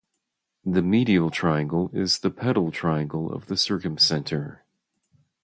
The medial triangle is the pedal triangle of the circumcenter.